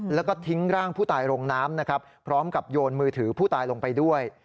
แล้วก็ทิ้งร่างผู้ตายลงน้ำนะครับพร้อมกับโยนมือถือผู้ตายลงไปด้วย